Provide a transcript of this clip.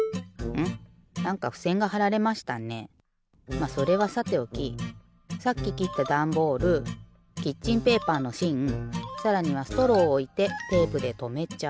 まっそれはさておきさっききったダンボールキッチンペーパーのしんさらにはストローをおいてテープでとめちゃう。